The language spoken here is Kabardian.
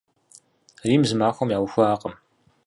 Рим зы махуэм яухуакъым.